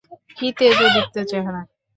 কী তেজোদীপ্ত চেহারা!